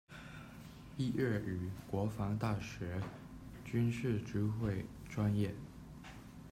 毕业于国防大学军事指挥专业。